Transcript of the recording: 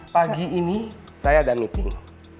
pagi ini saya ada meeting